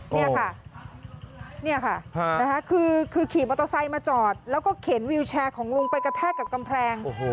นี่ค่ะนี่ค่ะคือขี่มอเตอร์ไซค์มาจอดแล้วก็เข็นวิวแชร์ของลุงไปกระแทกกับกำแพง